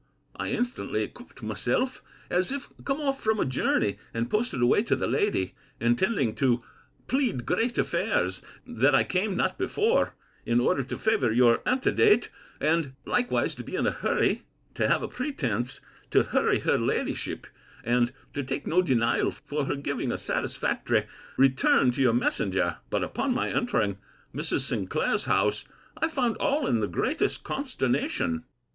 I instantly equipped myself, as if come off from a journey, and posted away to the lady, intending to plead great affairs that I came not before, in order to favour your antedate; and likewise to be in a hurry, to have a pretence to hurry her ladyship, and to take no denial for her giving a satisfactory return to your messenger. But, upon my entering Mrs. Sinclair's house, I found all in the greatest consternation.